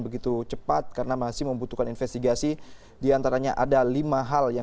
jangankan pesawat mohon maaf mobil saja kalau kesalahan ya